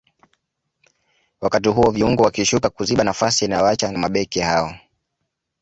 wakati huo viungo wakishuka kuziba nafasi inayoacha na mabeki hao